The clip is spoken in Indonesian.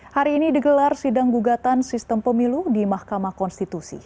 hari ini digelar sidang gugatan sistem pemilu di mahkamah konstitusi